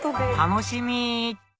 楽しみ！